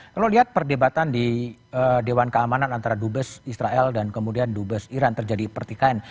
kalau lihat perdebatan di dewan keamanan antara dubes israel dan kemudian dubes iran terjadi pertikaian